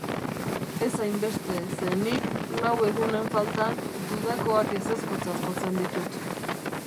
Ez hainbeste, ze nik, lau egunenfaltan, dudakoak ezezkotzat jotzen ditut.